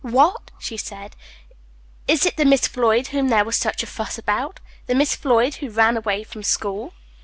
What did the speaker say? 'What!' she said, 'is it the Miss Floyd whom there was such a fuss about? the Miss Floyd who ran away from school?'